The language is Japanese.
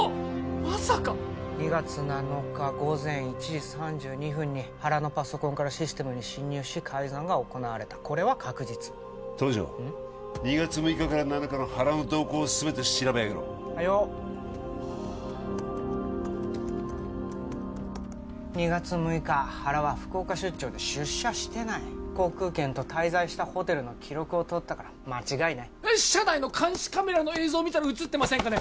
まさか２月７日午前１時３２分に原のパソコンからシステムに侵入し改ざんが行われたこれは確実東条２月６日から７日の原の動向を全て調べ上げろはいよ２月６日原は福岡出張で出社してない航空券と滞在したホテルの記録をとったから間違いない社内の監視カメラの映像を見たらうつってませんかね？